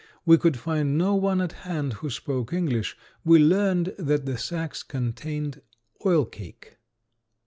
We could find no one at hand who spoke English. We learned that the sacks contained oilcake.